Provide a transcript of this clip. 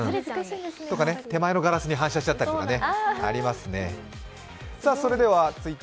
手前のガラスに反射しちゃったりとかありますよね。